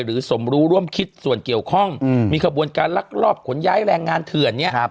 สมรู้ร่วมคิดส่วนเกี่ยวข้องมีขบวนการลักลอบขนย้ายแรงงานเถื่อนเนี่ย